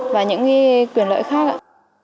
và những quyền lợi khác